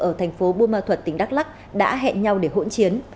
ở thành phố buôn ma thuật tỉnh đắk lắc đã hẹn nhau để hỗn chiến